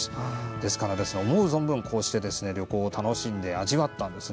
ですから、思う存分旅行を楽しんで味わったんです。